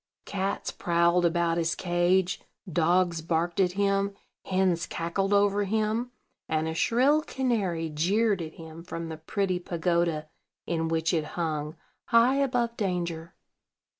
Cats prowled about his cage; dogs barked at him; hens cackled over him; and a shrill canary jeered at him from the pretty pagoda in which it hung, high above danger.